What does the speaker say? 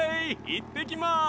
いってきます！